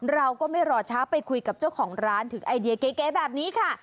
เราก็ไม่รอช้าไปคุยกับเจ้าของร้านถึงไอเดียเก๋แบบนี้ค่ะ